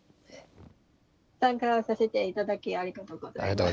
参加させて頂きありがとうございます。